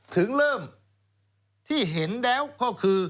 ถึงเริ่มที่เห็นแล้วก็คือ